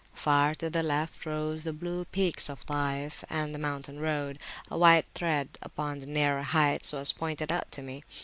Far to the left rose the blue peaks of Taif, and the mountain road, a white thread upon the nearer heights, was pointed out to me.